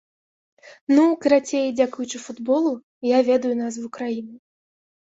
Ну, карацей, дзякуючы футболу, я ведаю назву краіны.